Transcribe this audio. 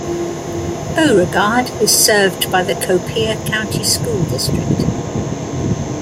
Beauregard is served by the Copiah County School District.